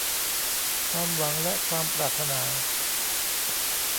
ความหวังและความปรารถนา